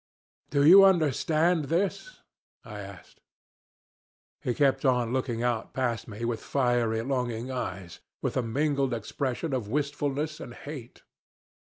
"'Do you understand this?' I asked. "He kept on looking out past me with fiery, longing eyes, with a mingled expression of wistfulness and hate.